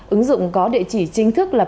ứng dụng có địa chỉ chính thức là